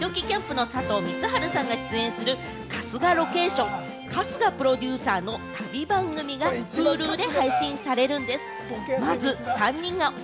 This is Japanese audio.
さん、日向坂４６の松田好花さん、どきどきキャンプの佐藤満春さんが出演する『春日ロケーション春日プロデューサーの旅番組』がＨｕｌｕで配信されるんです。